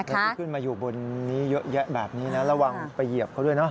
แต่ที่ขึ้นมาอยู่บนนี้เยอะแยะแบบนี้นะระวังไปเหยียบเขาด้วยนะ